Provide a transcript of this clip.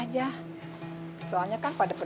soalnya kan pada perjanjian ya kita harus ikut aja